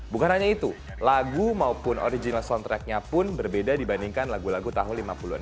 bukan hanya itu lagu maupun original soundtracknya pun berbeda dibandingkan lagu lagu tahun seribu sembilan ratus lima puluh enam